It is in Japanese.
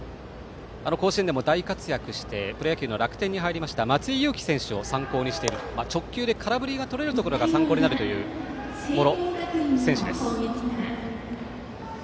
甲子園でも大活躍してプロ野球の楽天に入りました松井裕樹選手を参考にしていて直球で空振りがとれるところが参考になるという茂呂選手。